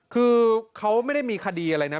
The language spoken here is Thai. คือเขาไม่ได้มีคดีอะไรนะ